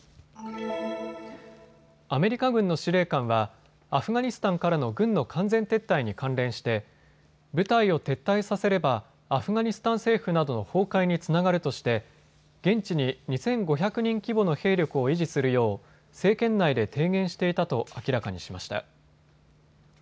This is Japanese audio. アメリカ軍の司令官はアフガニスタンからの軍の完全撤退に関連して部隊を撤退させればアフガニスタン政府などの崩壊につながるとして現地に２５００人規模の兵力を維持するよう政権内で提言していたと明らかにしました。